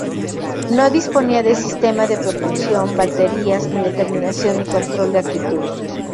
No disponía de sistema de propulsión, baterías ni determinación ni control de actitud.